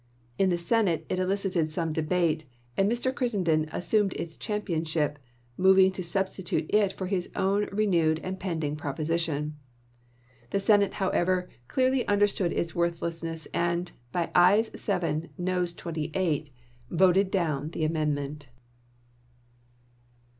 In the Senate it elicited some debate, and Mr. Crittenden assumed its championship, moving to substitute it for his own renewed and pending proposition. The Senate, however, clearly « Giobe," understood its worthlessness and, by ayes 7, noes pl'iios861' 28, voted down the amendment.